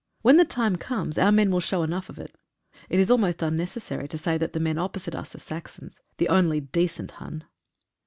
When the time comes our men will show enough of it. It is almost unnecessary to say that the men opposite us are Saxons — the only decent Hun.